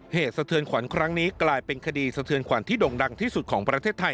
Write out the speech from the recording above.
สะเทือนขวัญครั้งนี้กลายเป็นคดีสะเทือนขวัญที่โด่งดังที่สุดของประเทศไทย